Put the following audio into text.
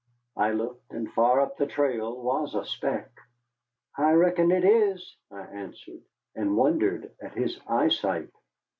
I looked, and far up the trail was a speck. "I reckon it is," I answered, and wondered at his eyesight.